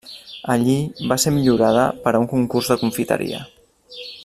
Allí va ser millorada per a un concurs de confiteria.